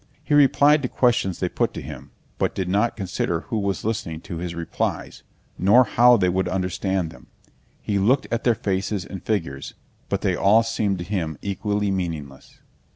He replied to questions they put to him, but did not consider who was listening to his replies, nor how they would understand them. He looked at their faces and figures, but they all seemed to him equally meaningless.